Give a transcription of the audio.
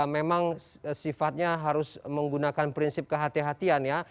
memang sifatnya harus menggunakan prinsip kehatian kehatian ya